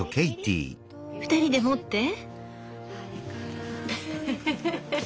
２人で持って。